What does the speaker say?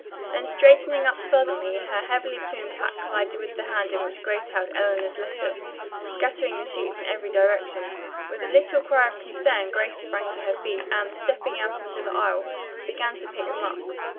Then straightening up suddenly, her heavily plumed hat collided with the hand in which Grace held Eleanor's letter, scattering the sheets in every direction. With a little cry of concern Grace sprang to her feet and, stepping out in the aisle, began to pick them up.